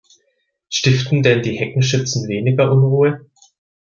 Stiften denn die Heckenschützen weniger Unruhe?